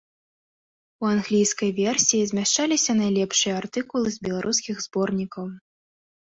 У англійскай версіі змяшчаліся найлепшыя артыкулы з беларускіх зборнікаў.